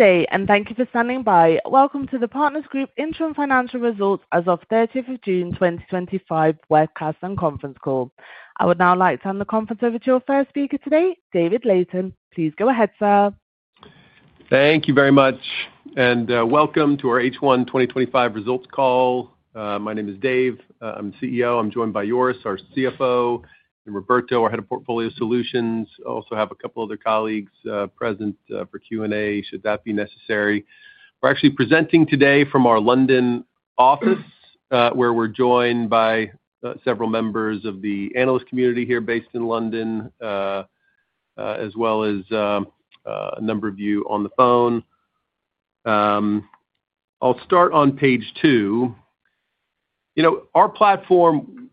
Thank you for standing by. Welcome to the Partners Group Interim Financial Results as of June 30, 2025 webcast and conference call. I would now like to hand the conference over to our first speaker today, David Layton. Please go ahead, sir. Thank you very much, and welcome to our H1 2025 results call. My name is David. I'm CEO. I'm joined by Joris, our CFO, and Roberto, our Head of Portfolio Solutions. I also have a couple of other colleagues present for Q&A, should that be necessary. We're actually presenting today from our London office, where we're joined by several members of the analyst community here based in London, as well as a number of you on the phone. I'll start on page two. You know, our platform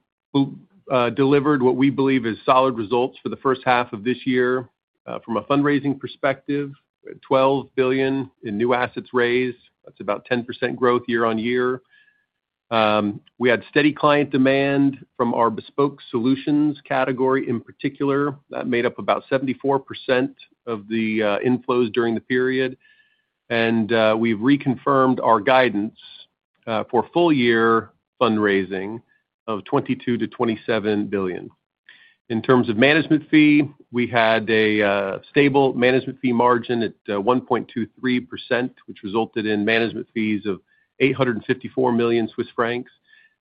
delivered what we believe is solid results for the first half of this year from a fundraising perspective. We had $12 billion in new assets raised. That's about 10% growth year on year. We had steady client demand from our bespoke solutions category in particular. That made up about 74% of the inflows during the period. We have reconfirmed our guidance for full-year fundraising of $22 to $27 billion. In terms of management fee, we had a stable management fee margin at 1.23%, which resulted in management fees of 854 million Swiss francs.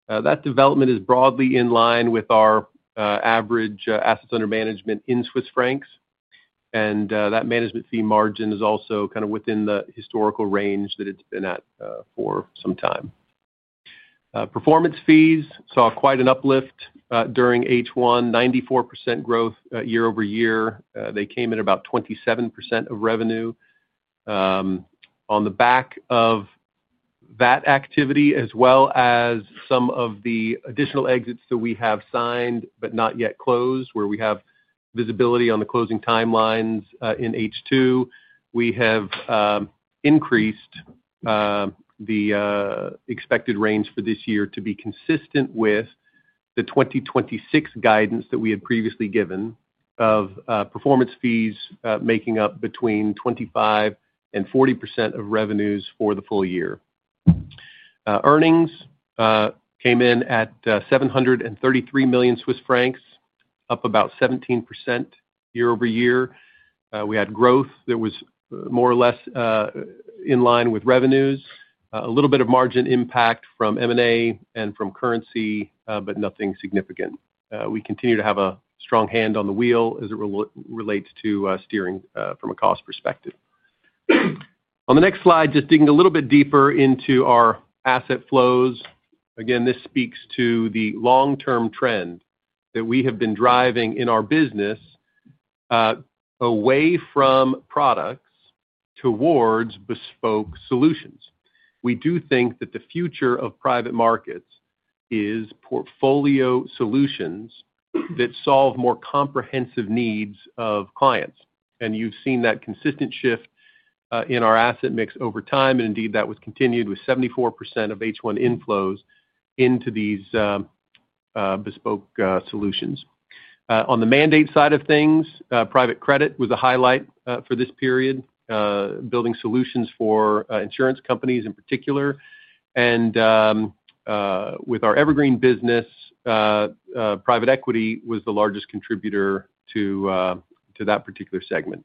That development is broadly in line with our average assets under management in Swiss francs. That management fee margin is also kind of within the historical range that it's been at for some time. Performance fees saw quite an uplift during H1, 94% growth year over year. They came in at about 27% of revenue. On the back of that activity, as well as some of the additional exits that we have signed but not yet closed, where we have visibility on the closing timelines in H2, we have increased the expected range for this year to be consistent with the 2026 guidance that we had previously given of performance fees making up between 25% and 40% of revenues for the full year. Earnings came in at 733 million Swiss francs, up about 17% year over year. We had growth that was more or less in line with revenues, a little bit of margin impact from M&A and from currency, but nothing significant. We continue to have a strong hand on the wheel as it relates to steering from a cost perspective. On the next slide, just digging a little bit deeper into our asset flows. Again, this speaks to the long-term trend that we have been driving in our business away from products towards bespoke solutions. We do think that the future of private markets is portfolio solutions that solve more comprehensive needs of clients. You have seen that consistent shift in our asset mix over time. Indeed, that was continued with 74% of H1 inflows into these bespoke solutions. On the mandate side of things, private credit was a highlight for this period, building solutions for insurance companies in particular. With our evergreen business, private equity was the largest contributor to that particular segment.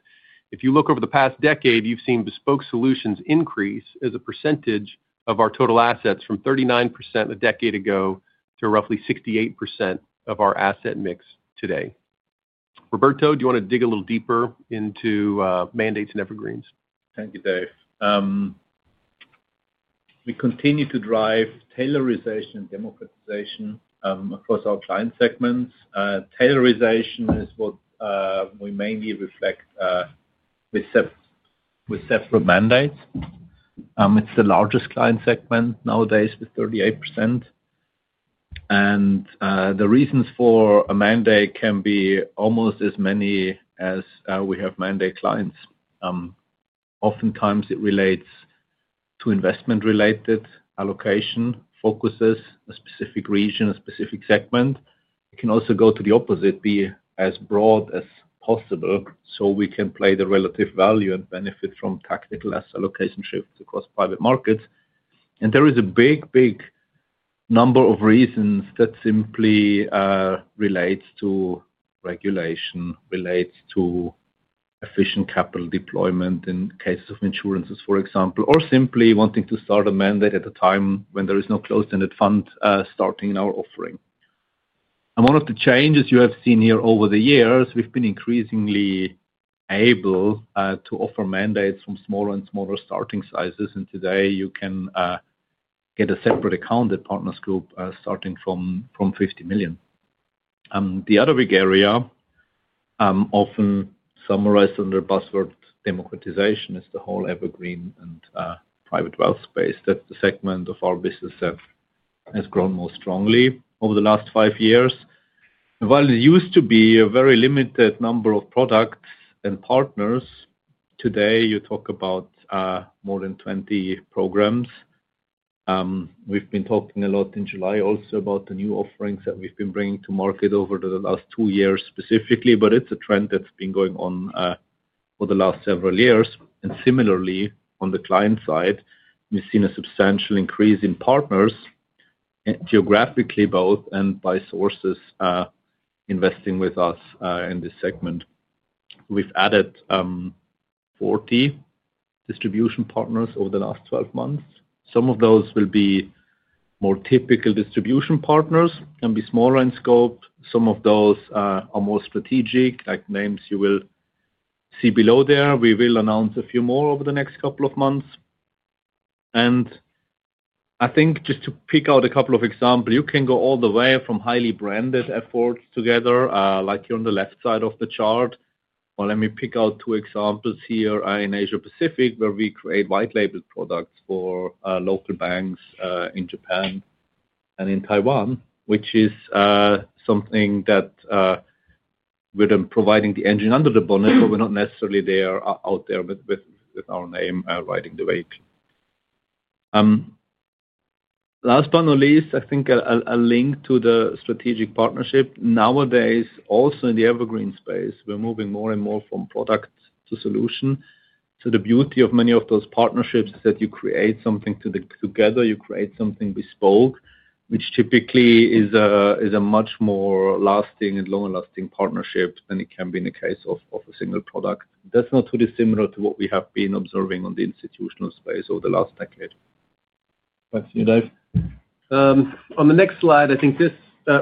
If you look over the past decade, you've seen bespoke solutions increase as a % of our total assets from 39% a decade ago to roughly 68% of our asset mix today. Roberto, do you want to dig a little deeper into mandates and evergreens? Thank you, Dave. We continue to drive tailorization and democratization across our client segments. Tailorization is what we mainly reflect with separate mandates. It's the largest client segment nowadays with 38%. The reasons for a mandate can be almost as many as we have mandate clients. Oftentimes, it relates to investment-related allocation focuses, a specific region, a specific segment. It can also go to the opposite, be as broad as possible so we can play the relative value and benefit from tactical asset allocation shifts across private markets. There is a big, big number of reasons that simply relate to regulation, relate to efficient capital deployment in cases of insurances, for example, or simply wanting to start a mandate at a time when there is no closed-ended fund starting in our offering. One of the changes you have seen here over the years, we've been increasingly able to offer mandates from smaller and smaller starting sizes. Today, you can get a separate account at Partners Group starting from 50 million. The other big area, often summarized under the buzzword democratization, is the whole evergreen and private wealth space. That's the segment of our business that has grown most strongly over the last five years. While it used to be a very limited number of products and partners, today you talk about more than 20 programs. We've been talking a lot in July also about the new offerings that we've been bringing to market over the last two years specifically, but it's a trend that's been going on for the last several years. Similarly, on the client side, we've seen a substantial increase in partners geographically both and by sources investing with us in this segment. We've added 40 distribution partners over the last 12 months. Some of those will be more typical distribution partners and be smaller in scope. Some of those are more strategic, like names you will see below there. We will announce a few more over the next couple of months. Just to pick out a couple of examples, you can go all the way from highly branded efforts together, like here on the left side of the chart. Let me pick out two examples here in Asia-Pacific, where we create white-labeled products for local banks in Japan and in Taiwan, which is something that we're then providing the engine under the bonnet for. We're not necessarily out there with our name riding the wave. Last but not least, I think a link to the strategic partnership. Nowadays, also in the evergreen space, we're moving more and more from product to solution. The beauty of many of those partnerships is that you create something together, you create something bespoke, which typically is a much more lasting and longer-lasting partnership than it can be in the case of a single product. That's not too dissimilar to what we have been observing on the institutional space over the last decade. Thank you, Dave. On the next slide, I think this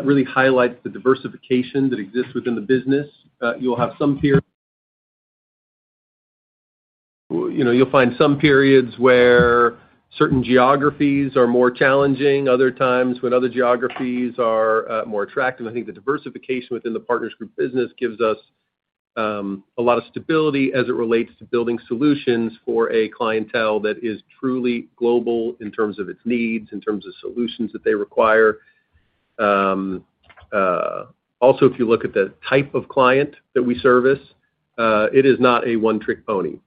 really highlights the diversification that exists within the business. You'll have some periods where certain geographies are more challenging, other times when other geographies are more attractive. I think the diversification within the Partners Group business gives us a lot of stability as it relates to building solutions for a clientele that is truly global in terms of its needs, in terms of solutions that they require. Also, if you look at the type of client that we service, it is not a one-trick pony.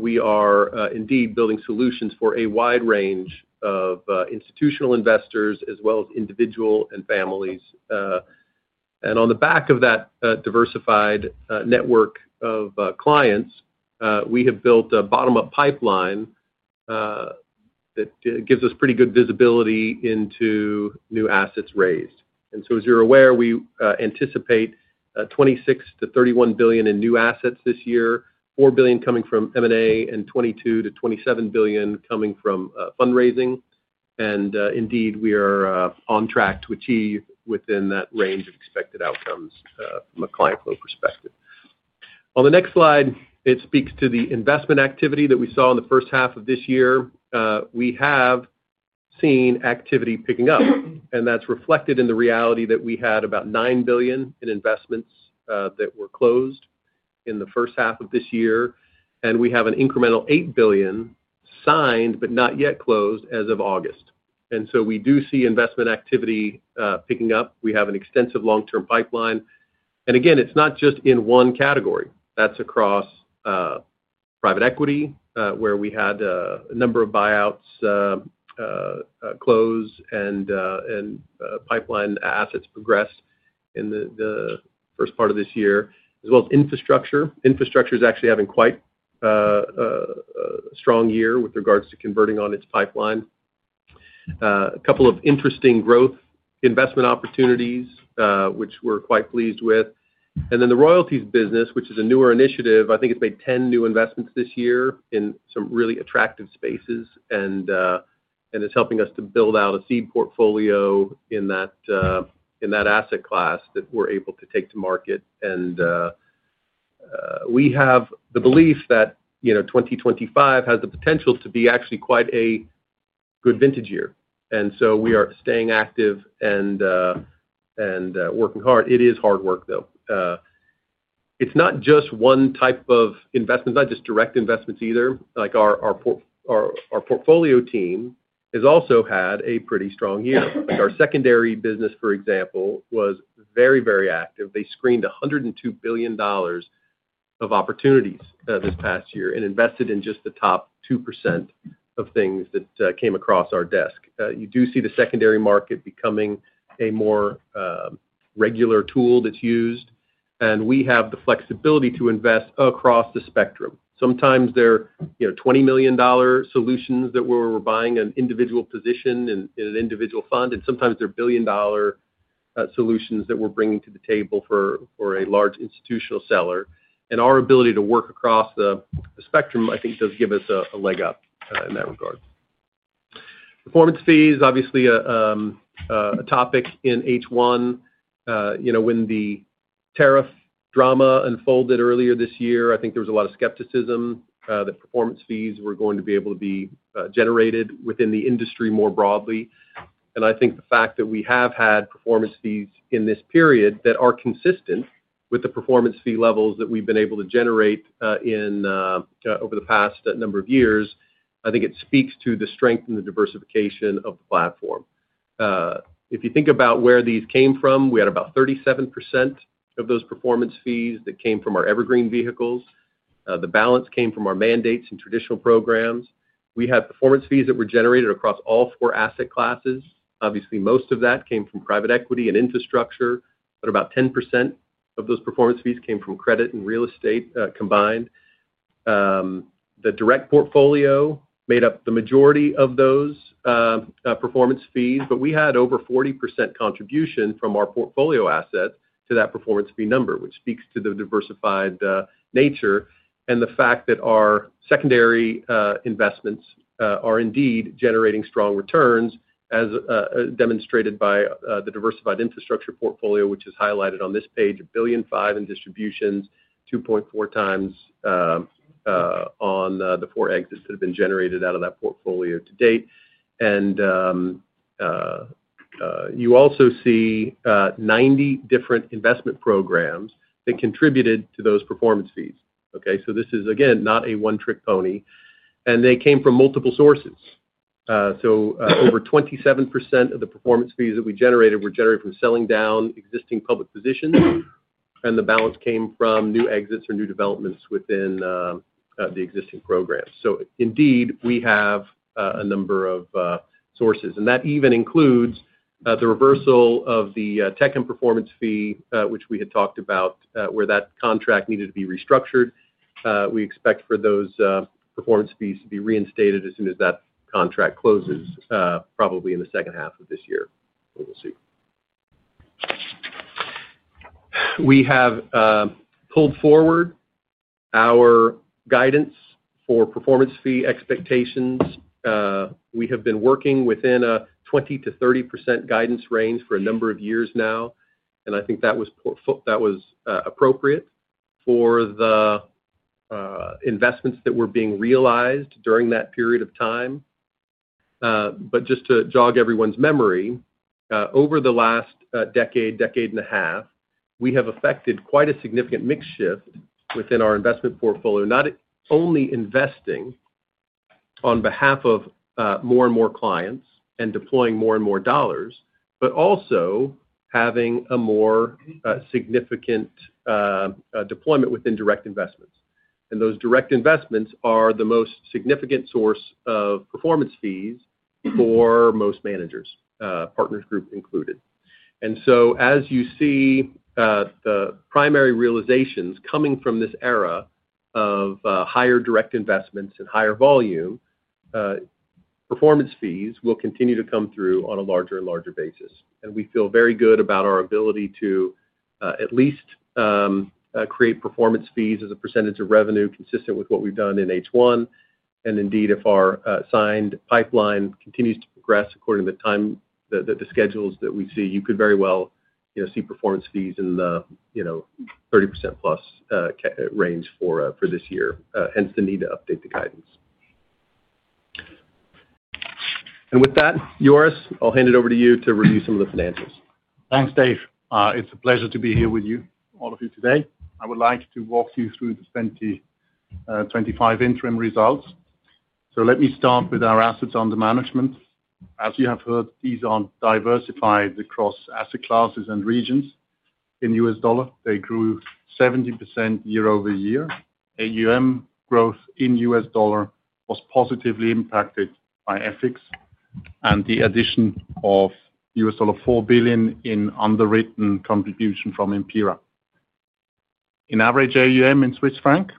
We are indeed building solutions for a wide range of institutional investors, as well as individuals and families. On the back of that diversified network of clients, we have built a bottom-up pipeline that gives us pretty good visibility into new assets raised. As you're aware, we anticipate $26 to $31 billion in new assets this year, $4 billion coming from M&A, and $22 to $27 billion coming from fundraising. We are on track to achieve within that range of expected outcomes from a client flow perspective. On the next slide, it speaks to the investment activity that we saw in the first half of this year. We have seen activity picking up, and that's reflected in the reality that we had about $9 billion in investments that were closed in the first half of this year. We have an incremental $8 billion signed but not yet closed as of August. We do see investment activity picking up. We have an extensive long-term pipeline. It's not just in one category. That's across private equity, where we had a number of buyouts close and pipeline assets progress in the first part of this year, as well as infrastructure. Infrastructure is actually having quite a strong year with regards to converting on its pipeline. There are a couple of interesting growth investment opportunities, which we're quite pleased with. The royalties business, which is a newer initiative, I think it's made 10 new investments this year in some really attractive spaces and is helping us to build out a seed portfolio in that asset class that we're able to take to market. We have the belief that 2025 has the potential to be actually quite a good vintage year. We are staying active and working hard. It is hard work, though. It's not just one type of investment, not just direct investments either. Our portfolio team has also had a pretty strong year. Our secondary business, for example, was very, very active. They screened $102 billion of opportunities this past year and invested in just the top 2% of things that came across our desk. You do see the secondary market becoming a more regular tool that's used. We have the flexibility to invest across the spectrum. Sometimes they're $20 million solutions that we're buying an individual position in an individual fund, and sometimes they're billion-dollar solutions that we're bringing to the table for a large institutional seller. Our ability to work across the spectrum, I think, does give us a leg up in that regard. Performance fees, obviously a topic in H1. When the tariff drama unfolded earlier this year, I think there was a lot of skepticism that performance fees were going to be able to be generated within the industry more broadly. I think the fact that we have had performance fees in this period that are consistent with the performance fee levels that we've been able to generate over the past number of years, I think it speaks to the strength and the diversification of the platform. If you think about where these came from, we had about 37% of those performance fees that came from our evergreen vehicles. The balance came from our mandates and traditional programs. We had performance fees that were generated across all four asset classes. Obviously, most of that came from private equity and infrastructure, but about 10% of those performance fees came from credit and real estate combined. The direct portfolio made up the majority of those performance fees, but we had over 40% contribution from our portfolio assets to that performance fee number, which speaks to the diversified nature and the fact that our secondary investments are indeed generating strong returns, as demonstrated by the diversified infrastructure portfolio, which is highlighted on this page, $1.5 billion in distributions, 2.4 times on the four exits that have been generated out of that portfolio to date. You also see 90 different investment programs that contributed to those performance fees. This is, again, not a one-trick pony. They came from multiple sources. Over 27% of the performance fees that we generated were generated from selling down existing public positions, and the balance came from new exits or new developments within the existing programs. Indeed, we have a number of sources. That even includes the reversal of the tech and performance fee, which we had talked about, where that contract needed to be restructured. We expect for those performance fees to be reinstated as soon as that contract closes, probably in the second half of this year. We have pulled forward our guidance for performance fee expectations. We have been working within a 20% to 30% guidance range for a number of years now. I think that was appropriate for the investments that were being realized during that period of time. Just to jog everyone's memory, over the last decade, decade and a half, we have effected quite a significant mix shift within our investment portfolio, not only investing on behalf of more and more clients and deploying more and more dollars, but also having a more significant deployment within direct investments. Those direct investments are the most significant source of performance fees for most managers, Partners Group included. As you see, the primary realizations coming from this era of higher direct investments and higher volume, performance fees will continue to come through on a larger and larger basis. We feel very good about our ability to at least create performance fees as a percentage of revenue consistent with what we've done in H1. Indeed, if our signed pipeline continues to progress according to the time that the schedules that we see, you could very well see performance fees in the 30% plus range for this year, hence the need to update the guidance. With that, Joris, I'll hand it over to you to review some of the financials. Thanks, Dave. It's a pleasure to be here with you, all of you, today. I would like to walk you through the 2025 interim results. Let me start with our assets under management. As you have heard, these are diversified across asset classes and regions in U.S. dollar. They grew 70% year over year. AUM growth in U.S. dollar was positively impacted by FX and the addition of $4 billion in underwritten contribution from Impera. In average AUM in Swiss francs,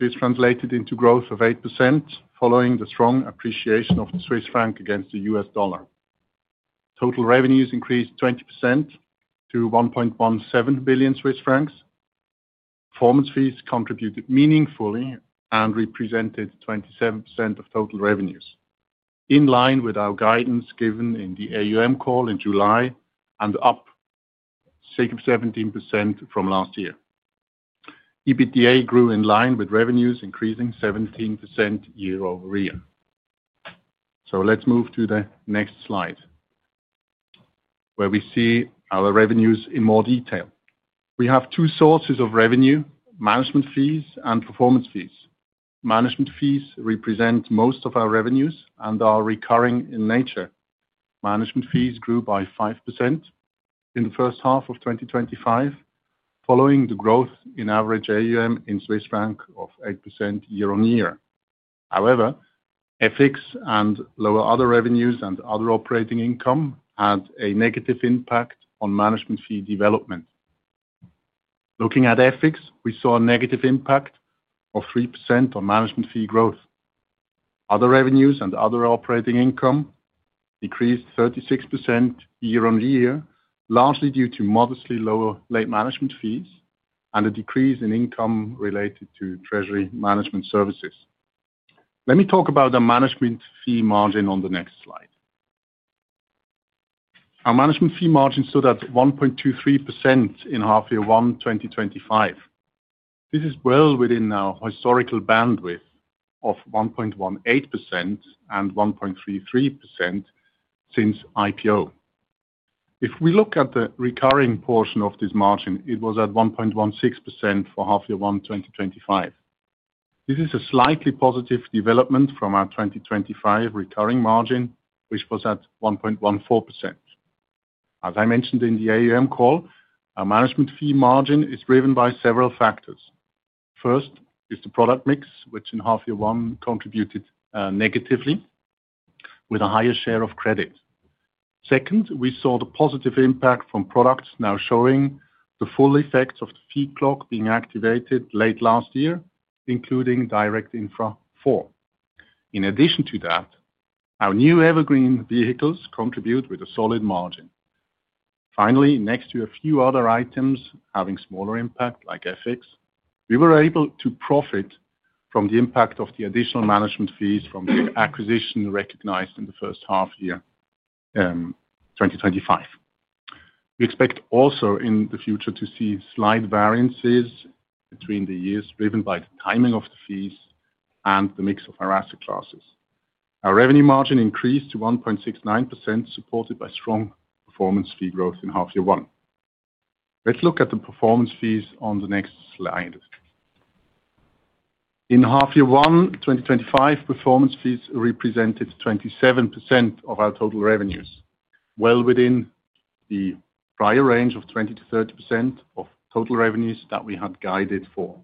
this translated into growth of 8% following the strong appreciation of the Swiss franc against the U.S. dollar. Total revenues increased 20% to 1.17 billion Swiss francs. Performance fees contributed meaningfully and represented 27% of total revenues, in line with our guidance given in the AUM call in July and up a stake of 17% from last year. EBITDA grew in line with revenues, increasing 17% year over year. Let's move to the next slide, where we see our revenues in more detail. We have two sources of revenue: management fees and performance fees. Management fees represent most of our revenues and are recurring in nature. Management fees grew by 5% in the first half of 2025 following the growth in average AUM in Swiss francs of 8% year on year. However, FX and lower other revenues and other operating income had a negative impact on management fee development. Looking at FX, we saw a negative impact of 3% on management fee growth. Other revenues and other operating income decreased 36% year on year, largely due to modestly lower late management fees and a decrease in income related to treasury management services. Let me talk about the management fee margin on the next slide. Our management fee margin stood at 1.23% in half year one 2025. This is well within our historical bandwidth of 1.18% and 1.33% since IPO. If we look at the recurring portion of this margin, it was at 1.16% for half year one 2025. This is a slightly positive development from our 2025 recurring margin, which was at 1.14%. As I mentioned in the AUM call, our management fee margin is driven by several factors. First is the product mix, which in half year one contributed negatively with a higher share of credit. Second, we saw the positive impact from products now showing the full effects of the fee clock being activated late last year, including direct infra four. In addition to that, our new evergreen vehicles contribute with a solid margin. Finally, next to a few other items having smaller impact, like ethics, we were able to profit from the impact of the additional management fees from the acquisition recognized in the first half year 2025. We expect also in the future to see slight variances between the years driven by the timing of the fees and the mix of our asset classes. Our revenue margin increased to 1.69%, supported by strong performance fee growth in half year one. Let's look at the performance fees on the next slide. In half year one 2025, performance fees represented 27% of our total revenues, well within the prior range of 20% to 30% of total revenues that we had guided for.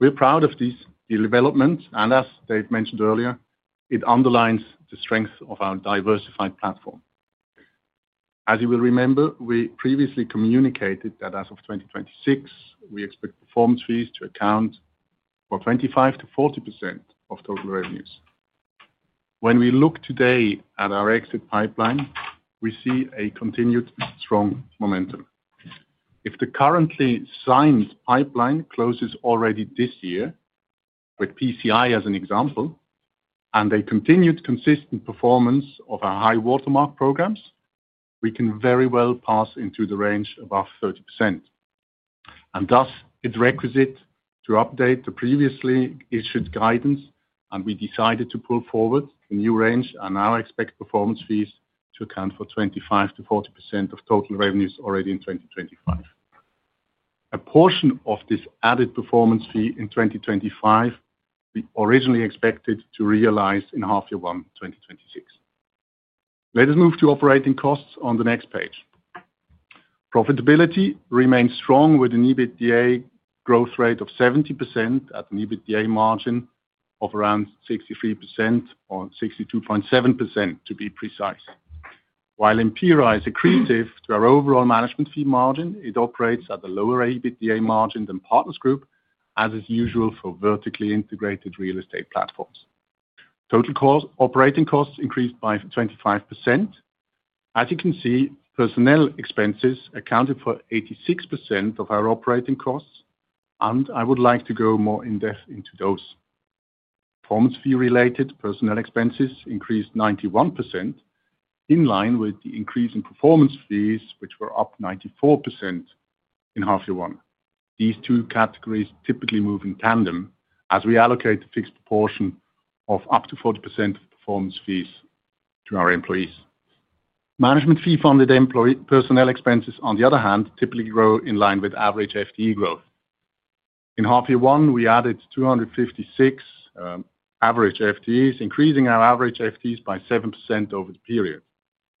We're proud of this development, and as Dave mentioned earlier, it underlines the strength of our diversified platform. As you will remember, we previously communicated that as of 2026, we expect performance fees to account for 25% to 40% of total revenues. When we look today at our exit pipeline, we see a continued strong momentum. If the currently signed pipeline closes already this year, with PCI as an example, and a continued consistent performance of our high watermark programs, we can very well pass into the range above 30%. It is requisite to update the previously issued guidance, and we decided to pull forward a new range and now expect performance fees to account for 25% to 40% of total revenues already in 2025. A portion of this added performance fee in 2025, we originally expected to realize in half year one 2026. Let us move to operating costs on the next page. Profitability remains strong with an EBITDA growth rate of 70% at an EBITDA margin of around 63% or 62.7% to be precise. While Impera is accretive to our overall management fee margin, it operates at a lower EBITDA margin than Partners Group, as is usual for vertically integrated real estate platforms. Total operating costs increased by 25%. As you can see, personnel expenses accounted for 86% of our operating costs, and I would like to go more in depth into those. Performance fee-related personnel expenses increased 91% in line with the increase in performance fees, which were up 94% in half year one. These two categories typically move in tandem as we allocate a fixed proportion of up to 40% of the performance fees to our employees. Management fee-funded personnel expenses, on the other hand, typically grow in line with average FTE growth. In half year one, we added 256 average FTEs, increasing our average FTEs by 7% over the period.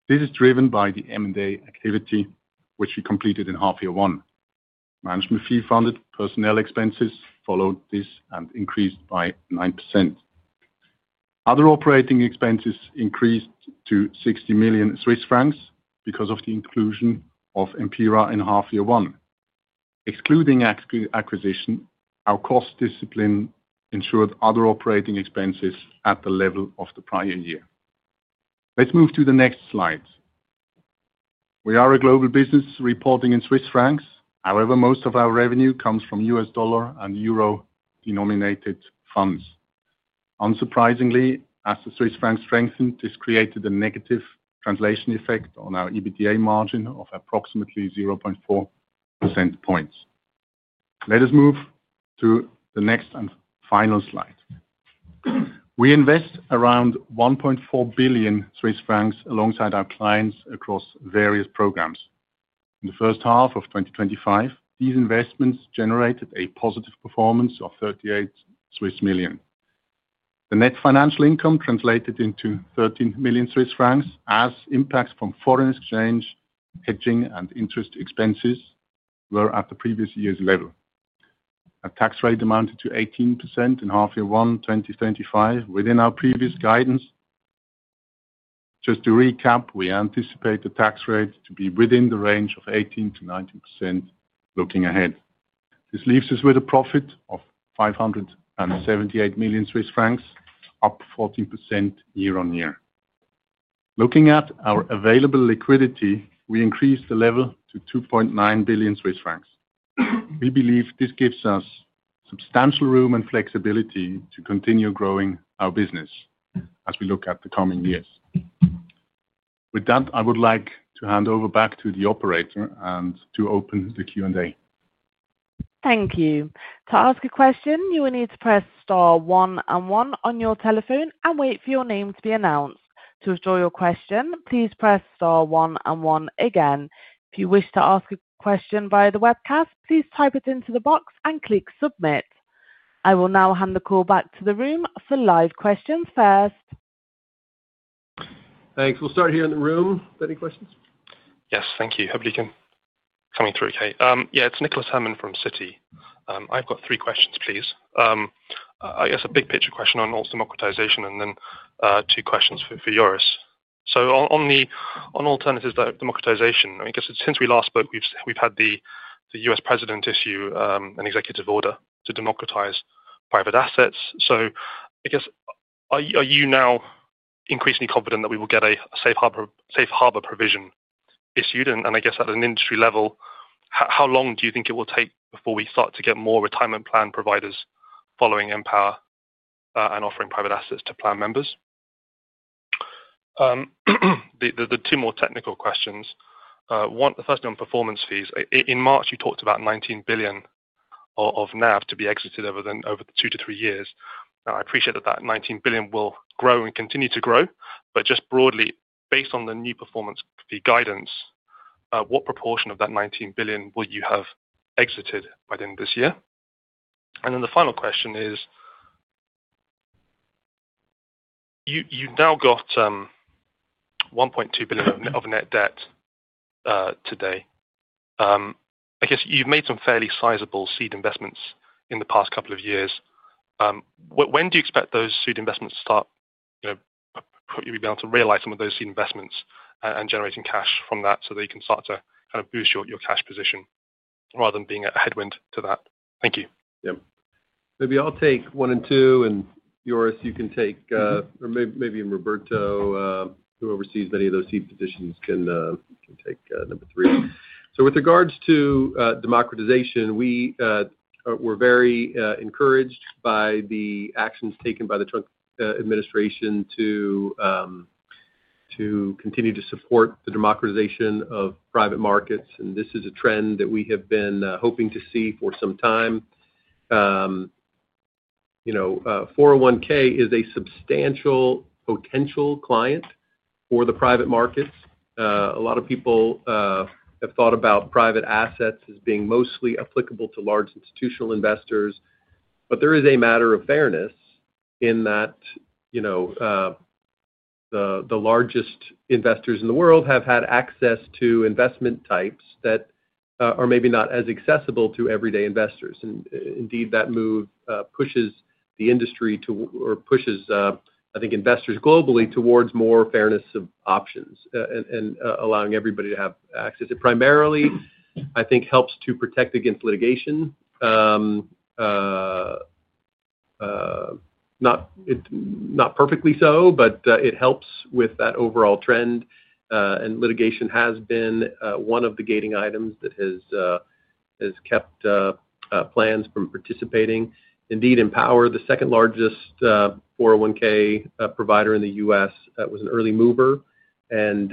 This is driven by the M&A activity, which we completed in half year one. Management fee-funded personnel expenses followed this and increased by 9%. Other operating expenses increased to 60 million Swiss francs because of the inclusion of Impera in half year one. Excluding acquisition, our cost discipline ensured other operating expenses at the level of the prior year. Let's move to the next slide. We are a global business reporting in Swiss francs. However, most of our revenue comes from U.S. dollar and euro denominated funds. Unsurprisingly, as the Swiss franc strengthened, this created a negative translation effect on our EBITDA margin of approximately 0.4%. Let us move to the next and final slide. We invest around 1.4 billion Swiss francs alongside our clients across various programs. In the first half of 2025, these investments generated a positive performance of 38 million. The net financial income translated into 13 million Swiss francs as impacts from foreign exchange, hedging, and interest expenses were at the previous year's level. A tax rate amounted to 18% in half year one 2025 within our previous guidance. Just to recap, we anticipate the tax rate to be within the range of 18% to 19% looking ahead. This leaves us with a profit of 578 million Swiss francs, up 14% year on year. Looking at our available liquidity, we increased the level to 2.9 billion Swiss francs. We believe this gives us substantial room and flexibility to continue growing our business as we look at the coming years. With that, I would like to hand over back to the operator and to open the Q&A. Thank you. To ask a question, you will need to press star one and one on your telephone and wait for your name to be announced. To withdraw your question, please press star one and one again. If you wish to ask a question via the webcast, please type it into the box and click submit. I will now hand the call back to the room for live questions first. Thanks. We'll start here in the room. Any questions? Yes, thank you. Hope you can coming through, Kate. Yeah, it's Nicholas Herman from Citigroup Inc. I've got three questions, please. I guess a big picture question on democratization and then two questions for Joris. On the alternatives that democratization, I mean, I guess since we last spoke, we've had the U.S. president issue an executive order to democratize private assets. I guess are you now increasingly confident that we will get a safe harbor provision issued? At an industry level, how long do you think it will take before we start to get more retirement plan providers following Empower and offering private assets to plan members? The two more technical questions. One, the first one on performance fees. In March, you talked about $19 billion of NAV to be exited over the two to three years. I appreciate that $19 billion will grow and continue to grow. Just broadly, based on the new performance fee guidance, what proportion of that $19 billion will you have exited by the end of this year? The final question is, you've now got $1.2 billion of net debt today. I guess you've made some fairly sizable seed investments in the past couple of years. When do you expect those seed investments to start? You'll be able to realize some of those seed investments and generating cash from that so that you can start to kind of boost your cash position rather than being a headwind to that. Thank you. Maybe I'll take one and two, and Joris, you can take, or maybe Roberto who oversees any of those seed positions can take number three. With regards to democratization, we were very encouraged by the actions taken by the Trump administration to continue to support the democratization of private markets. This is a trend that we have been hoping to see for some time. 401(k) is a substantial potential client for the private markets. A lot of people have thought about private assets as being mostly applicable to large institutional investors. There is a matter of fairness in that the largest investors in the world have had access to investment types that are maybe not as accessible to everyday investors. That move pushes the industry to, or pushes, I think, investors globally towards more fairness of options and allowing everybody to have access. It primarily, I think, helps to protect against litigation. Not perfectly so, but it helps with that overall trend. Litigation has been one of the gating items that has kept plans from participating. Empower, the second largest 401(k) provider in the U.S., was an early mover and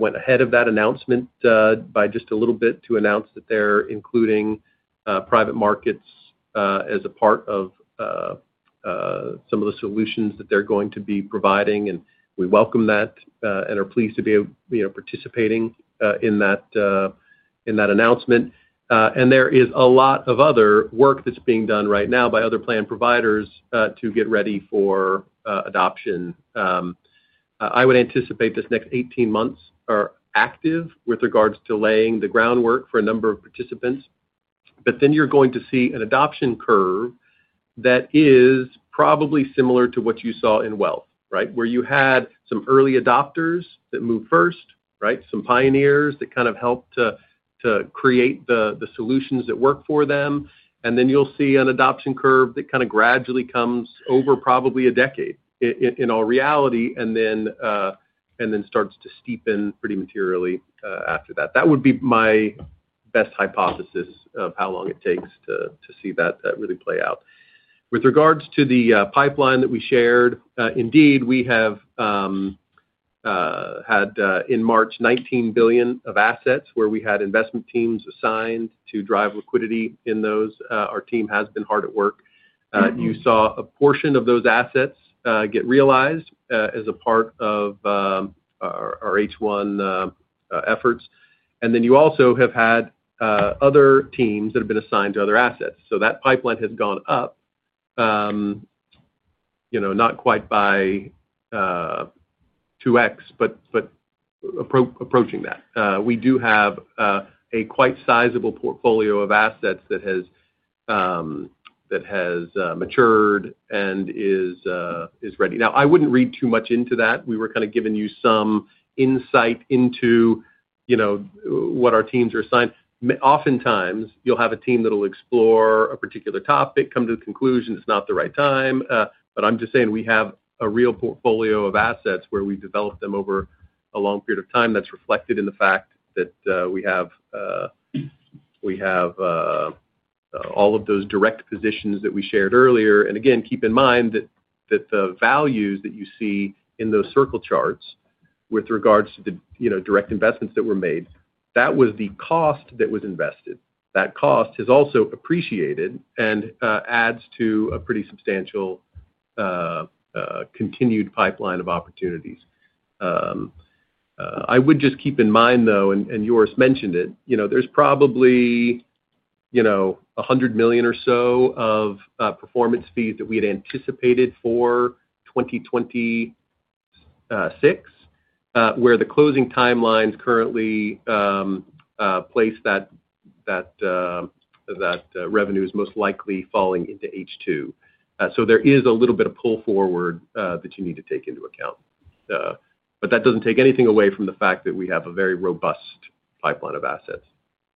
went ahead of that announcement by just a little bit to announce that they're including private markets as a part of some of the solutions that they're going to be providing. We welcome that and are pleased to be participating in that announcement. There is a lot of other work that's being done right now by other plan providers to get ready for adoption. I would anticipate this next 18 months are active with regards to laying the groundwork for a number of participants. You're going to see an adoption curve that is probably similar to what you saw in wealth, right? Where you had some early adopters that moved first, some pioneers that kind of helped to create the solutions that work for them. You'll see an adoption curve that kind of gradually comes over probably a decade in all reality, and then starts to steepen pretty materially after that. That would be my best hypothesis of how long it takes to see that really play out. With regards to the pipeline that we shared, indeed, we have had in March $19 billion of assets where we had investment teams assigned to drive liquidity in those. Our team has been hard at work. You saw a portion of those assets get realized as a part of our H1 efforts. You also have had other teams that have been assigned to other assets. That pipeline has gone up, not quite by 2X, but approaching that. We do have a quite sizable portfolio of assets that has matured and is ready. I wouldn't read too much into that. We were kind of giving you some insight into what our teams are assigned. Oftentimes, you'll have a team that'll explore a particular topic, come to the conclusion it's not the right time. I'm just saying we have a real portfolio of assets where we've developed them over a long period of time that's reflected in the fact that we have all of those direct positions that we shared earlier. Keep in mind that the values that you see in those circle charts with regards to the direct investments that were made, that was the cost that was invested. That cost has also appreciated and adds to a pretty substantial continued pipeline of opportunities. I would just keep in mind, though, and Joris mentioned it, there's probably $100 million or so of performance fees that we had anticipated for 2026, where the closing timelines currently place that revenue is most likely falling into H2. There is a little bit of pull forward that you need to take into account. That doesn't take anything away from the fact that we have a very robust pipeline of assets.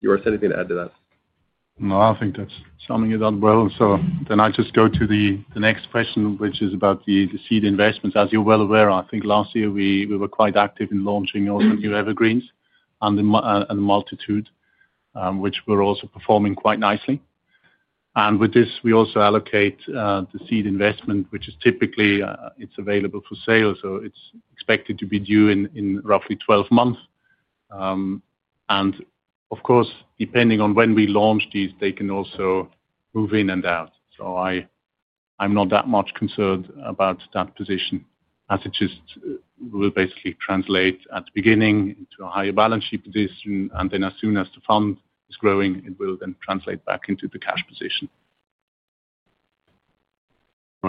Joris, anything to add to that? No, I think that's summing it up well. I just go to the next question, which is about the seed investments. As you're well aware, I think last year we were quite active in launching all the new evergreen vehicles and the multitude, which were also performing quite nicely. With this, we also allocate the seed investment, which is typically available for sale, so it's expected to be due in roughly 12 months. Of course, depending on when we launch these, they can also move in and out. I'm not that much concerned about that position as it just will basically translate at the beginning to a higher balance sheet position, and then as soon as the fund is growing, it will then translate back into the cash position. &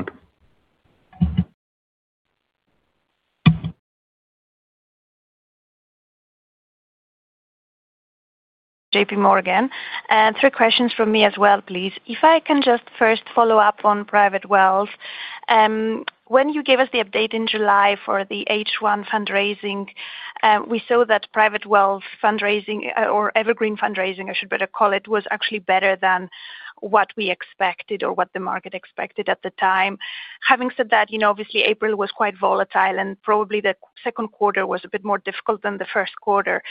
Co, three questions from me as well, please. If I can just first follow up on Private Wealth. When you gave us the update in July for the H1 fundraising, we saw that Private Wealth fundraising, or evergreen fundraising, I should better call it, was actually better than what we expected or what the market expected at the time. Having said that, obviously April was quite volatile and probably the second quarter was a bit more difficult than the first quarter.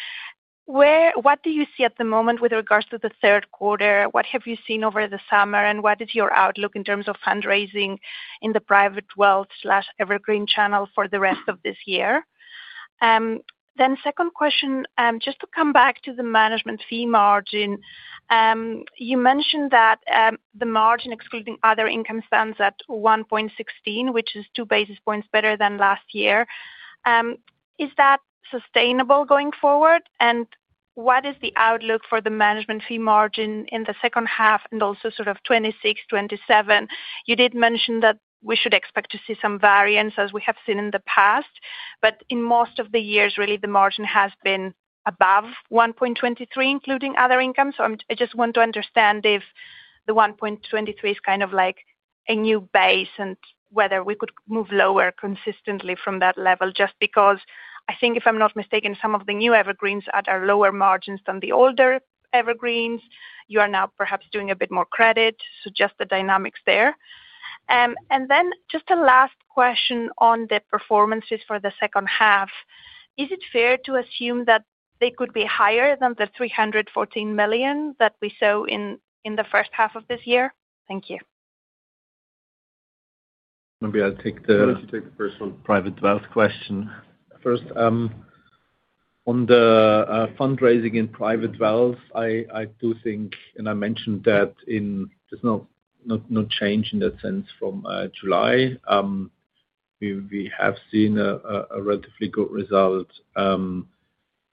What do you see at the moment with regards to the third quarter? What have you seen over the summer and what is your outlook in terms of fundraising in the Private Wealth/evergreen channel for the rest of this year? Second question, just to come back to the management fee margin. You mentioned that the margin excluding other income stands at 1.16%, which is two basis points better than last year. Is that sustainable going forward? What is the outlook for the management fee margin in the second half and also sort of 2026, 2027? You did mention that we should expect to see some variance as we have seen in the past. In most of the years, really, the margin has been above 1.23%, including other income. I just want to understand if the 1.23% is kind of like a new base and whether we could move lower consistently from that level just because I think if I'm not mistaken, some of the new evergreen vehicles are at lower margins than the older evergreen vehicles. You are now perhaps doing a bit more credit, so just the dynamics there. Just a last question on the performance fees for the second half. Is it fair to assume that they could be higher than the 314 million that we saw in the first half of this year? Thank you. Maybe I'll take the first one, Private Wealth question. First, on the fundraising in Private Wealth, I do think, and I mentioned that there's no change in that sense from July. We have seen a relatively good result.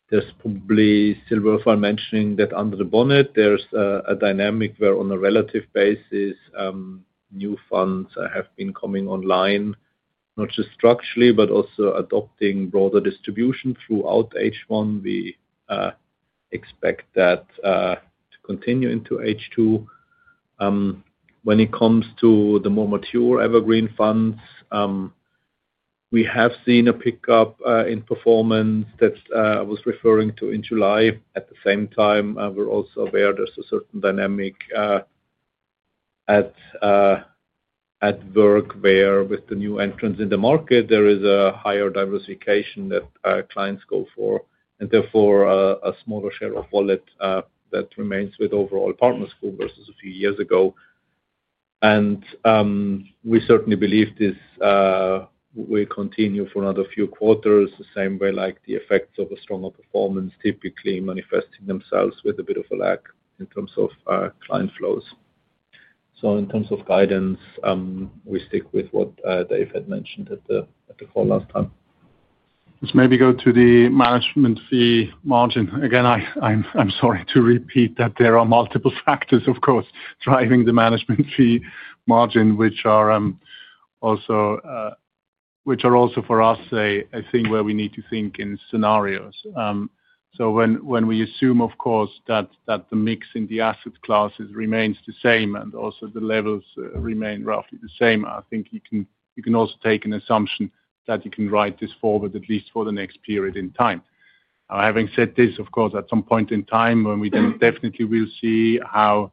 It's probably still worthwhile mentioning that under the bonnet, there's a dynamic where on a relative basis, new funds have been coming online, not just structurally, but also adopting broader distribution throughout H1. We expect that to continue into H2. When it comes to the more mature evergreen funds, we have seen a pickup in performance that I was referring to in July. At the same time, we're also aware there's a certain dynamic at work where with the new entrants in the market, there is a higher diversification that clients go for, and therefore a smaller share of wallet that remains with overall Partners Group versus a few years ago. We certainly believe this will continue for another few quarters, the same way the effects of a stronger performance typically manifest themselves with a bit of a lag in terms of client flows. In terms of guidance, we stick with what Dave had mentioned at the call last time. Let's maybe go to the management fee margin. Again, I'm sorry to repeat that there are multiple factors, of course, driving the management fee margin, which are also for us a thing where we need to think in scenarios. When we assume, of course, that the mix in the asset classes remains the same and also the levels remain roughly the same, I think you can also take an assumption that you can write this forward at least for the next period in time. Having said this, of course, at some point in time, we then definitely will see how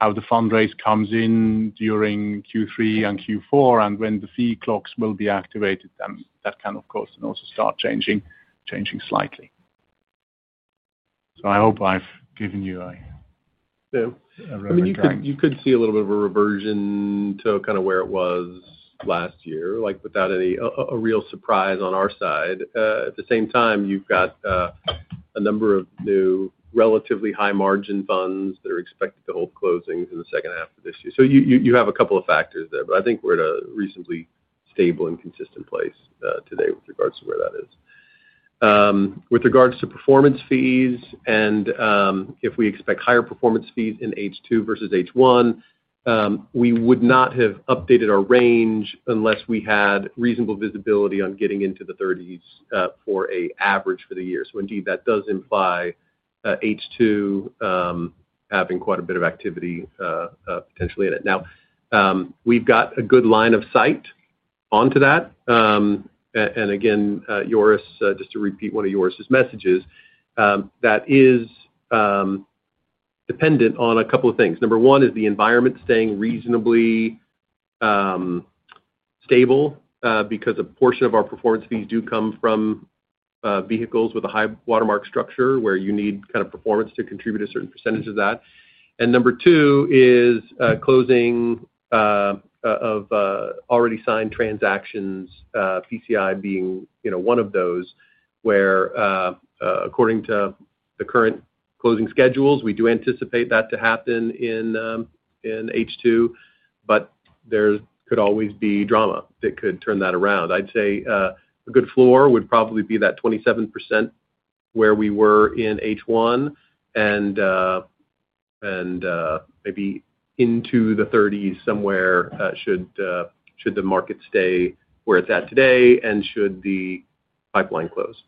the fundraise comes in during Q3 and Q4, and when the fee clocks will be activated, that kind of cost can also start changing slightly. I hope I've given you a... I mean, you could see a little bit of a reversion to kind of where it was last year, like without any real surprise on our side. At the same time, you've got a number of new relatively high margin funds that are expected to hold closings in the second half of this year. You have a couple of factors there, but I think we're at a reasonably stable and consistent place today with regards to where that is. With regards to performance fees and if we expect higher performance fees in H2 versus H1, we would not have updated our range unless we had reasonable visibility on getting into the 30% for an average for the year. That does imply H2 having quite a bit of activity potentially in it. We've got a good line of sight onto that. Again, Joris, just to repeat one of Joris's messages, that is dependent on a couple of things. Number one is the environment staying reasonably stable because a portion of our performance fees do come from vehicles with a high watermark structure where you need kind of performance to contribute a certain percentage of that. Number two is closing of already signed transactions, PCI being one of those, where according to the current closing schedules, we do anticipate that to happen in H2, but there could always be drama that could turn that around. I'd say a good floor would probably be that 27% where we were in H1 and maybe into the 30% somewhere should the market stay where it's at today and should the pipeline close.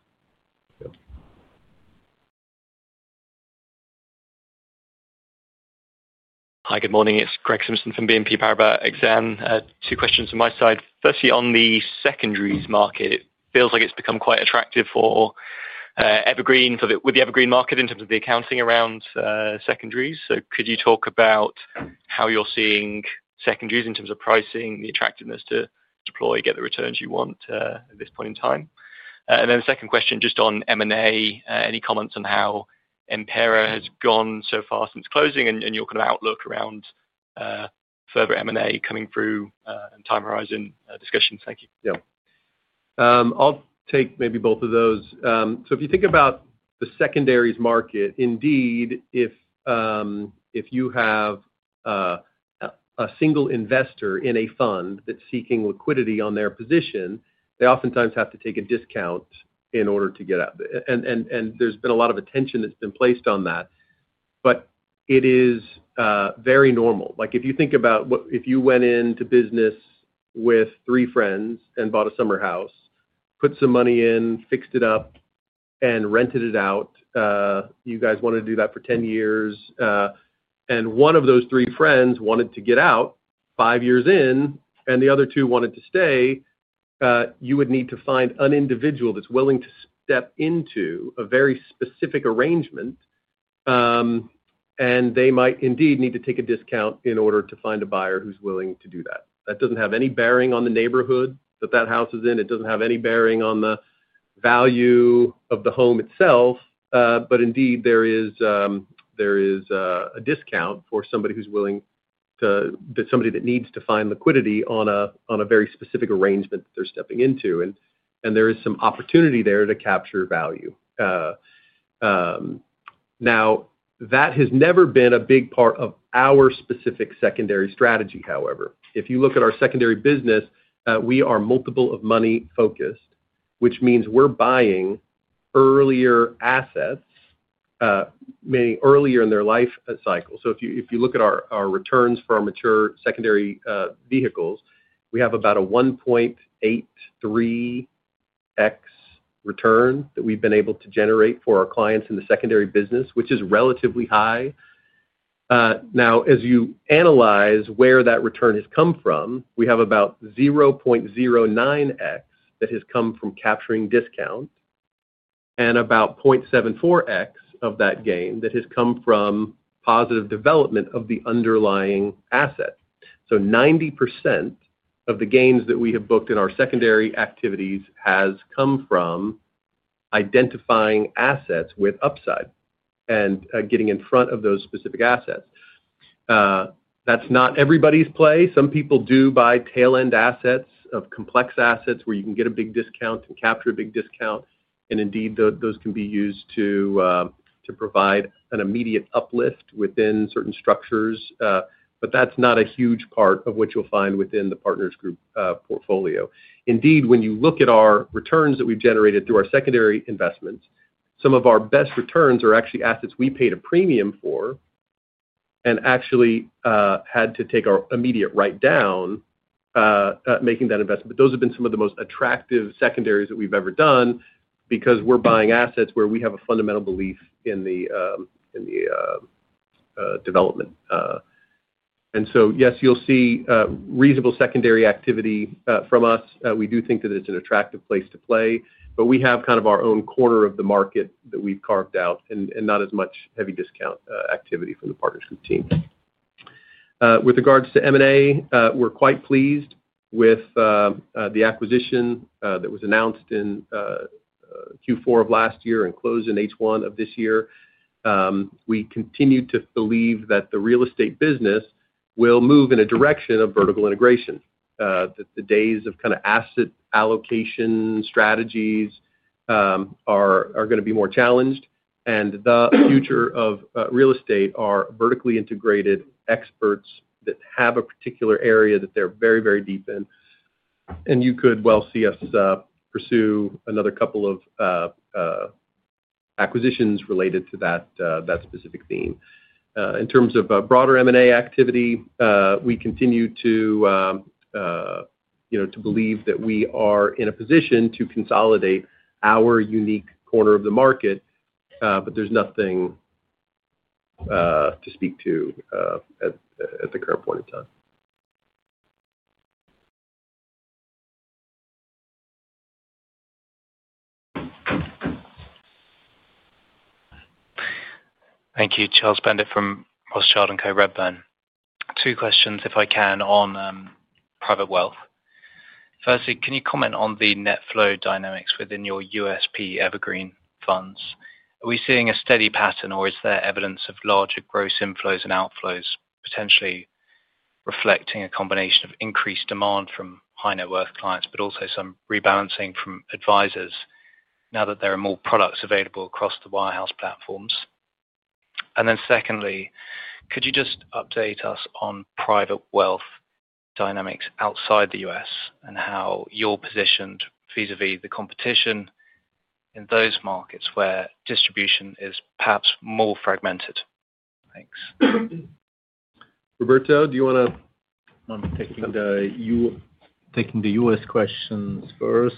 Hi, good morning. It's Craig Simpson from BNP Paribas. Two questions from my side. Firstly, on the secondaries market, it feels like it's become quite attractive for evergreens with the evergreen market in terms of the accounting around secondaries. Could you talk about how you're seeing secondaries in terms of pricing, the attractiveness to deploy, get the returns you want at this point in time? The second question just on M&A, any comments on how Impera has gone so far since closing and your kind of outlook around further M&A coming through and time horizon discussions? Thank you. Yeah. I'll take maybe both of those. If you think about the secondaries market, indeed, if you have a single investor in a fund that's seeking liquidity on their position, they oftentimes have to take a discount in order to get out. There's been a lot of attention that's been placed on that. It is very normal. If you think about what if you went into business with three friends and bought a summer house, put some money in, fixed it up, and rented it out, you guys wanted to do that for 10 years, and one of those three friends wanted to get out five years in and the other two wanted to stay, you would need to find an individual that's willing to step into a very specific arrangement and they might indeed need to take a discount in order to find a buyer who's willing to do that. That doesn't have any bearing on the neighborhood that that house is in. It doesn't have any bearing on the value of the home itself. Indeed, there is a discount for somebody who's willing to, that somebody that needs to find liquidity on a very specific arrangement that they're stepping into. There is some opportunity there to capture value. Now, that has never been a big part of our specific secondary strategy, however. If you look at our secondary business, we are multiple of money focused, which means we're buying earlier assets, meaning earlier in their life cycle. If you look at our returns for our mature secondary vehicles, we have about a 1.83X return that we've been able to generate for our clients in the secondary business, which is relatively high. As you analyze where that return has come from, we have about 0.09X that has come from capturing discount and about 0.74X of that gain that has come from positive development of the underlying asset. 90% of the gains that we have booked in our secondary activities has come from identifying assets with upside and getting in front of those specific assets. That's not everybody's play. Some people do buy tail-end assets or complex assets where you can get a big discount and capture a big discount. Indeed, those can be used to provide an immediate uplift within certain structures. That's not a huge part of what you'll find within the Partners Group portfolio. Indeed, when you look at our returns that we've generated through our secondary investments, some of our best returns are actually assets we paid a premium for and actually had to take our immediate write down making that investment. Those have been some of the most attractive secondaries that we've ever done because we're buying assets where we have a fundamental belief in the development. Yes, you'll see reasonable secondary activity from us. We do think that it's an attractive place to play, but we have kind of our own corner of the market that we've carved out and not as much heavy discount activity for the Partners Group team. With regards to M&A, we're quite pleased with the acquisition that was announced in Q4 of last year and closed in H1 of this year. We continue to believe that the real estate business will move in a direction of vertical integration, that the days of asset allocation strategies are going to be more challenged. The future of real estate is vertically integrated experts that have a particular area that they're very, very deep in. You could well see us pursue another couple of acquisitions related to that specific theme. In terms of broader M&A activity, we continue to believe that we are in a position to consolidate our unique corner of the market, but there's nothing to speak to at the current point in time. Thank you. Charles John Douglas Bendit from Redburn (Europe) Limited. Two questions, if I can, on private wealth. Firstly, can you comment on the net flow dynamics within your U.S. evergreen funds? Are we seeing a steady pattern, or is there evidence of larger gross inflows and outflows, potentially reflecting a combination of increased demand from high net worth clients, but also some rebalancing from advisors now that there are more products available across the warehouse platforms? Secondly, could you just update us on private wealth dynamics outside the U.S. and how you're positioned vis-à-vis the competition in those markets where distribution is perhaps more fragmented? Thanks. Roberto, do you want to... I'll be taking the U.S. questions first.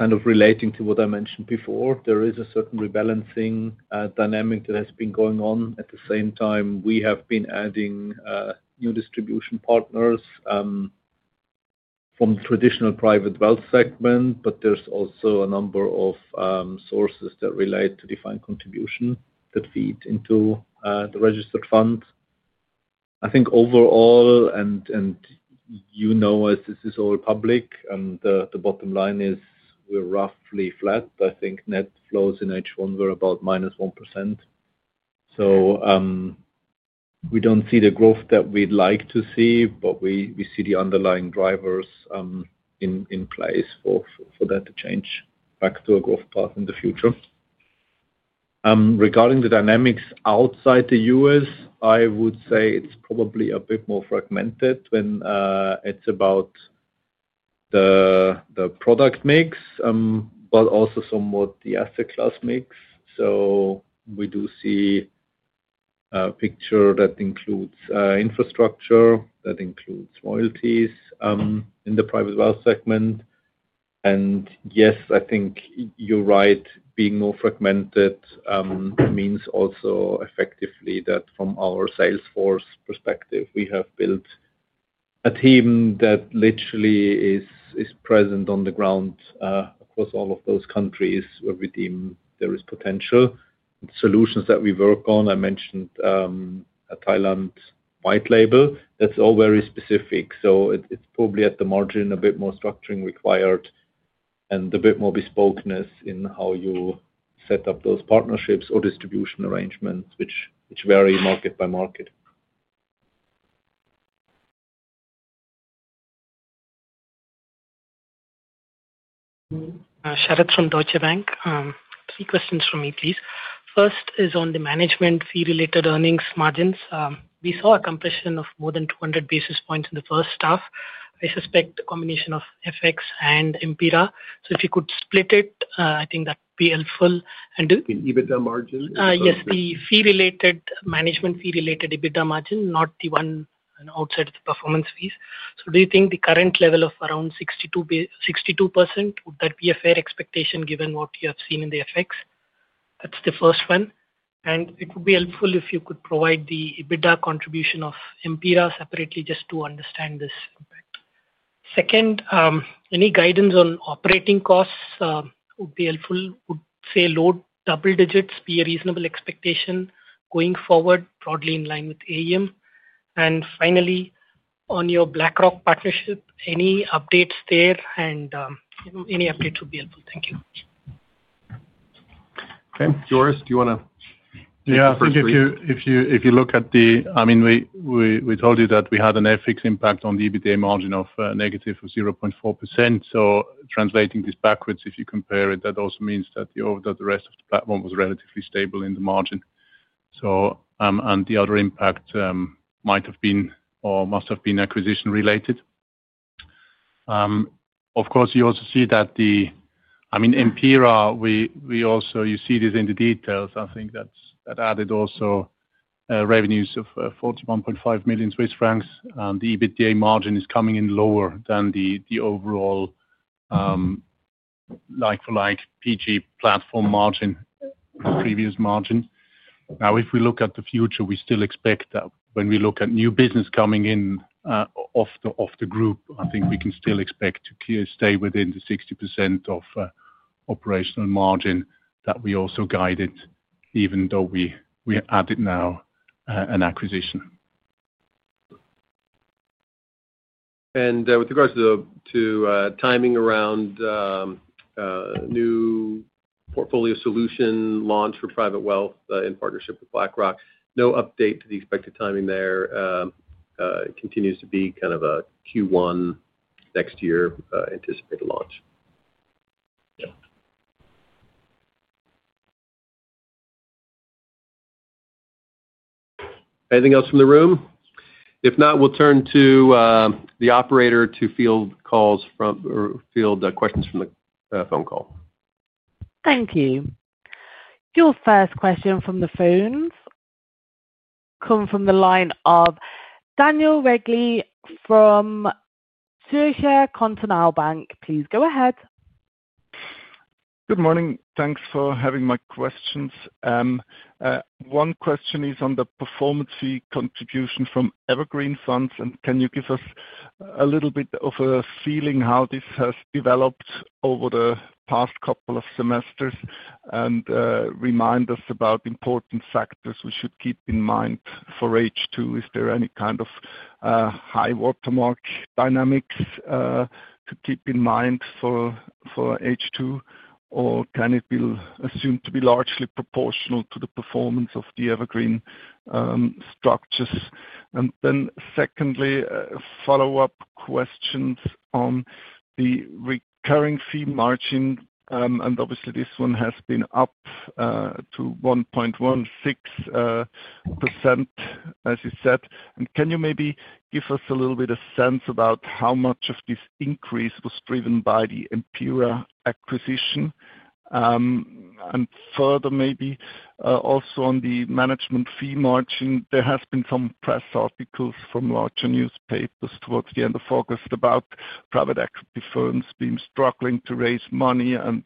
Kind of relating to what I mentioned before, there is a certain rebalancing dynamic that has been going on. At the same time, we have been adding new distribution partners from the traditional private wealth segment, but there's also a number of sources that relate to defined contribution that feed into the registered funds. I think overall, and you know us, this is all public, and the bottom line is we're roughly flat, but I think net flows in H1, we're about -1%. We don't see the growth that we'd like to see, but we see the underlying drivers in place for that to change back to a growth path in the future. Regarding the dynamics outside the U.S., I would say it's probably a bit more fragmented when it's about the product mix, but also somewhat the asset class mix. We do see a picture that includes infrastructure, that includes royalties in the private wealth segment. Yes, I think you're right, being more fragmented means also effectively that from our sales force perspective, we have built a team that literally is present on the ground across all of those countries where we deem there is potential. Solutions that we work on, I mentioned Thailand white label, that's all very specific. It's probably at the margin a bit more structuring required and a bit more bespokeness in how you set up those partnerships or distribution arrangements, which vary market by market. Shared from Deutsche Bank. A few questions from me, please. First is on the management fee margin. We saw a compression of more than 200 basis points in the first half. I suspect the combination of FX and Impera. If you could split it, I think that would be helpful. You mean EBITDA margin? Yes, the fee-related management fee-related EBITDA margin, not the one outside of the performance fees. Do you think the current level of around 62% would be a fair expectation given what you have seen in the FX? That's the first one. It would be helpful if you could provide the EBITDA contribution of Impera separately just to understand this. Second, any guidance on operating costs would be helpful. I would say low double digits would be a reasonable expectation going forward, broadly in line with AUM. Finally, on your BlackRock partnership, any updates there and any updates would be helpful. Thank you. Joris, do you want to... Yeah, I think if you look at the... I mean, we told you that we had an FX impact on the EBITDA margin of negative 0.4%. Translating this backwards, if you compare it, that also means that the rest of the platform was relatively stable in the margin. The other impact might have been or must have been acquisition-related. Of course, you also see that Impera, you see this in the details. I think that added also revenues of 41.5 million Swiss francs. The EBITDA margin is coming in lower than the overall like-for-like Partners Group platform margin, the previous margin. Now, if we look at the future, we still expect that when we look at new business coming in off the group, I think we can still expect to stay within the 60% of operational margin that we also guided, even though we added now an acquisition. With regards to timing around new portfolio solution launch for private wealth in partnership with BlackRock, no update to the expected timing there. It continues to be kind of a Q1 next year anticipated launch. Anything else from the room? If not, we'll turn to the operator to field questions from the phone call. Thank you. Your first question from the phones comes from the line of Daniel Regley from Sureshare Continental Bank. Please go ahead. Good morning. Thanks for having my questions. One question is on the performance fee contribution from evergreen funds, and can you give us a little bit of a feeling how this has developed over the past couple of semesters and remind us about important factors we should keep in mind for H2? Is there any kind of high watermark dynamics to keep in mind for H2, or can it be assumed to be largely proportional to the performance of the evergreen structures? Secondly, follow-up questions on the recurring fee margin, and obviously this one has been up to 1.16%, as you said. Can you maybe give us a little bit of sense about how much of this increase was driven by the Impera acquisition? Further, maybe also on the management fee margin, there has been some press articles from larger newspapers towards the end of August about private equity firms being struggling to raise money and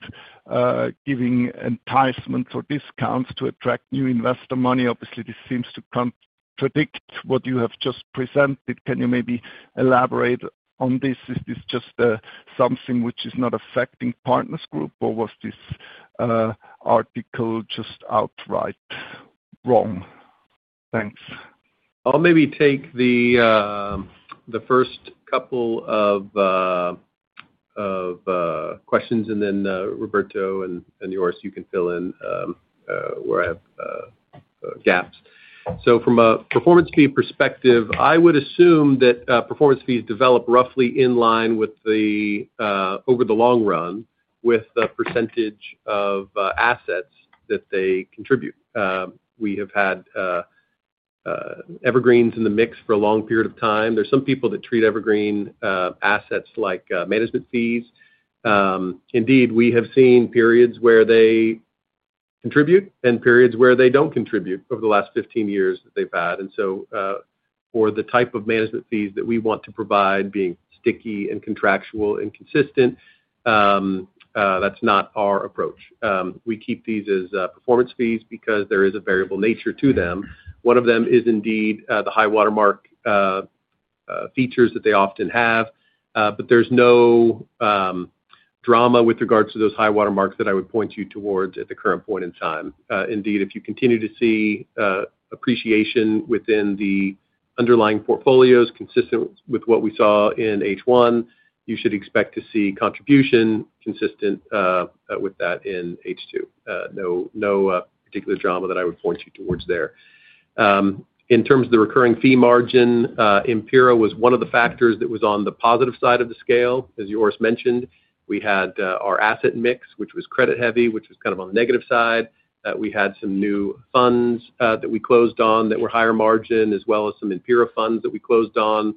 giving enticements or discounts to attract new investor money. Obviously, this seems to contradict what you have just presented. Can you maybe elaborate on this? Is this just something which is not affecting Partners Group, or was this article just outright wrong? Thanks. I'll maybe take the first couple of questions, and then Roberto and Joris, you can fill in where I have gaps. From a performance fee perspective, I would assume that performance fees develop roughly in line with, over the long run, the percentage of assets that they contribute. We have had evergreen vehicles in the mix for a long period of time. There are some people that treat evergreen assets like management fees. Indeed, we have seen periods where they contribute and periods where they don't contribute over the last 15 years that they've had. For the type of management fees that we want to provide, being sticky and contractual and consistent, that's not our approach. We keep these as performance fees because there is a variable nature to them. One of them is indeed the high watermark features that they often have, but there's no drama with regards to those high watermarks that I would point you towards at the current point in time. Indeed, if you continue to see appreciation within the underlying portfolios consistent with what we saw in H1, you should expect to see contribution consistent with that in H2. No particular drama that I would point you towards there. In terms of the recurring fee margin, Impera was one of the factors that was on the positive side of the scale. As Joris mentioned, we had our asset mix, which was credit heavy, which was kind of on the negative side. We had some new funds that we closed on that were higher margin, as well as some Impera funds that we closed on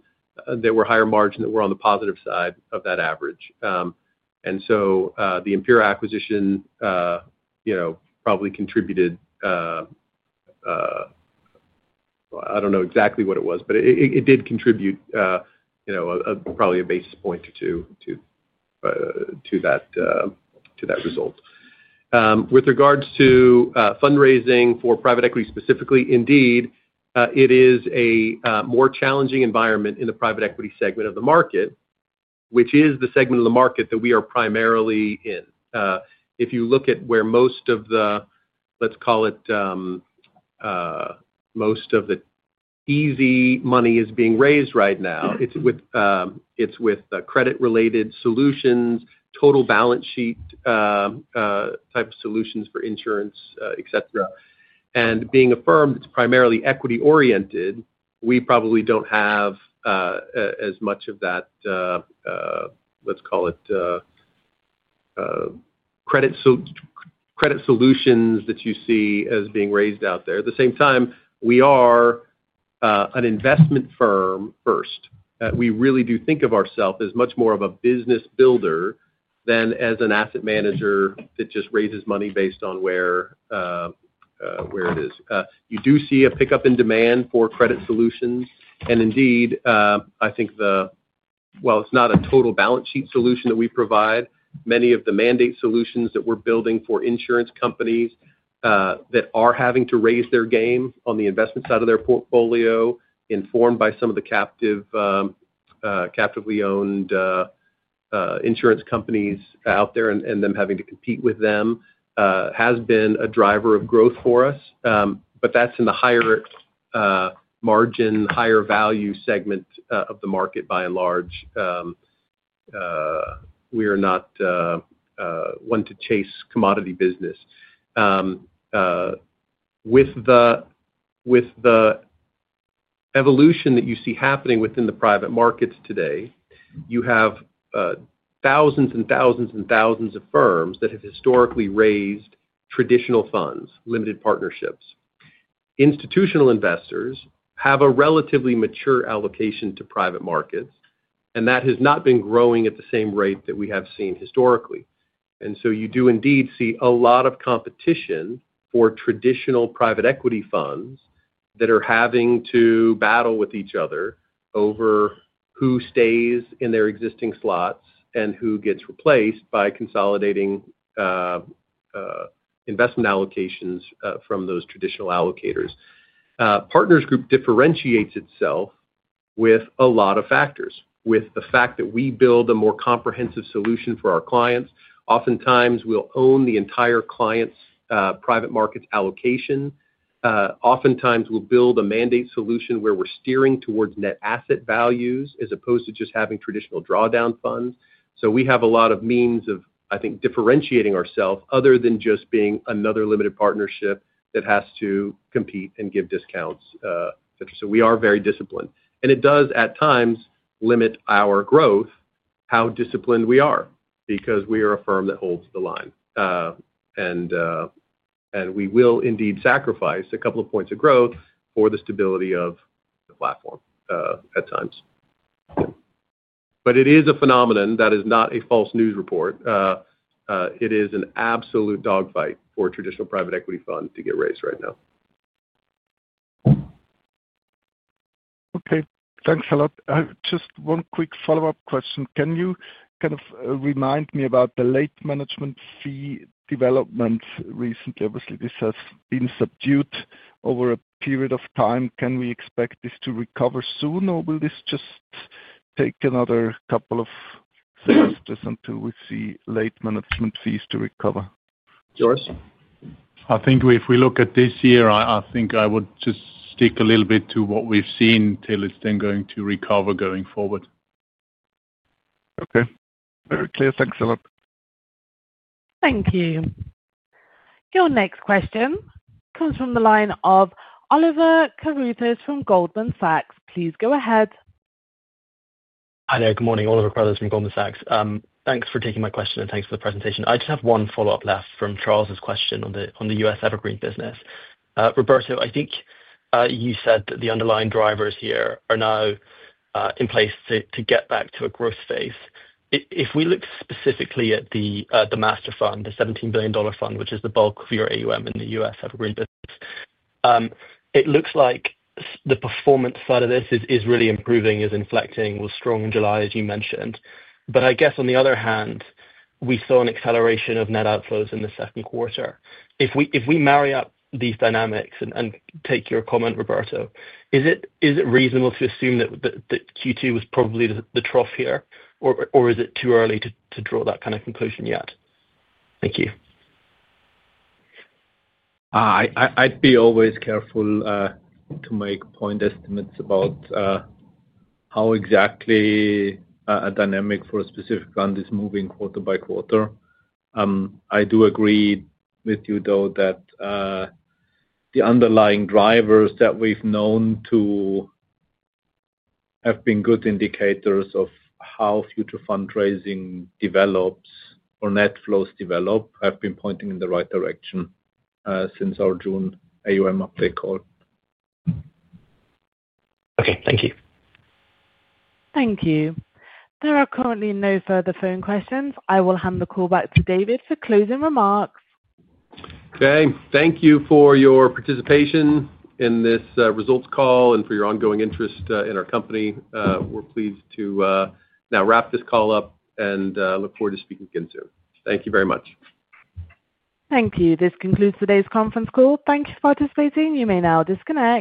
that were higher margin that were on the positive side of that average. The Impera acquisition probably contributed, I don't know exactly what it was, but it did contribute probably a basis point or two to that result. With regards to fundraising for private equity specifically, indeed, it is a more challenging environment in the private equity segment of the market, which is the segment of the market that we are primarily in. If you look at where most of the, let's call it, most of the easy money is being raised right now, it's with credit-related solutions, total balance sheet type of solutions for insurance, etc. Being a firm that's primarily equity-oriented, we probably don't have as much of that, let's call it, credit solutions that you see as being raised out there. At the same time, we are an investment firm first. We really do think of ourselves as much more of a business builder than as an asset manager that just raises money based on where it is. You do see a pickup in demand for credit solutions. Indeed, I think it's not a total balance sheet solution that we provide. Many of the mandate solutions that we're building for insurance companies that are having to raise their game on the investment side of their portfolio, informed by some of the captively owned insurance companies out there and them having to compete with them, has been a driver of growth for us. That's in the higher margin, higher value segment of the market by and large. We are not one to chase commodity business. With the evolution that you see happening within the private markets today, you have thousands and thousands and thousands of firms that have historically raised traditional funds, limited partnerships. Institutional investors have a relatively mature allocation to private markets, and that has not been growing at the same rate that we have seen historically. You do indeed see a lot of competition for traditional private equity funds that are having to battle with each other over who stays in their existing slots and who gets replaced by consolidating investment allocations from those traditional allocators. Partners Group differentiates itself with a lot of factors, with the fact that we build a more comprehensive solution for our clients. Oftentimes, we'll own the entire client's private markets allocation. Oftentimes, we'll build a mandate solution where we're steering towards net asset values as opposed to just having traditional drawdown funds. We have a lot of means of, I think, differentiating ourselves other than just being another limited partnership that has to compete and give discounts. We are very disciplined. It does, at times, limit our growth, how disciplined we are, because we are a firm that holds the line. We will indeed sacrifice a couple of points of growth for the stability of the platform at times. It is a phenomenon that is not a false news report. It is an absolute dog fight for a traditional private equity fund to get raised right now. Okay. Thanks a lot. Just one quick follow-up question. Can you kind of remind me about the late management fee developments recently? Obviously, this has been subdued over a period of time. Can we expect this to recover soon, or will this just take another couple of things until we see late management fees to recover? Joris? I think if we look at this year, I would just stick a little bit to what we've seen until it's then going to recover going forward. Okay, very clear. Thanks a lot. Thank you. Your next question comes from the line of Oliver Carruthers from Goldman Sachs. Please go ahead. Hi there. Good morning. Oliver Carruthers from Goldman Sachs. Thanks for taking my question and thanks for the presentation. I just have one follow-up left from Charles's question on the U.S. evergreen business. Roberto, I think you said that the underlying drivers here are now in place to get back to a growth phase. If we look specifically at the master fund, the $17 billion fund, which is the bulk of your AUM in the U.S. evergreen business, it looks like the performance side of this is really improving, is inflecting, was strong in July, as you mentioned. I guess on the other hand, we saw an acceleration of net outflows in the second quarter. If we marry up these dynamics and take your comment, Roberto, is it reasonable to assume that Q2 was probably the trough here, or is it too early to draw that kind of conclusion yet? Thank you. I'd be always careful to make point estimates about how exactly a dynamic for a specific fund is moving quarter by quarter. I do agree with you, though, that the underlying drivers that we've known to have been good indicators of how future fundraising develops or net flows develop have been pointing in the right direction since our June AUM update call. Okay, thank you. Thank you. There are currently no further phone questions. I will hand the call back to David for closing remarks. Okay. Thank you for your participation in this results call and for your ongoing interest in our company. We're pleased to now wrap this call up and look forward to speaking again soon. Thank you very much. Thank you. This concludes today's conference call. Thank you for participating. You may now disconnect.